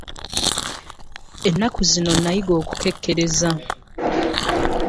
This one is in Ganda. Ennaku zino nayiga okukekkereza.